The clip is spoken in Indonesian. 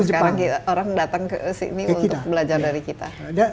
sekarang orang datang ke sini untuk belajar dari kita